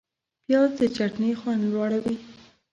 پیاز د چټني خوند لوړوي